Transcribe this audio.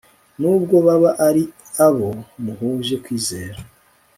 nubwo baba ari abo muhuje kwizera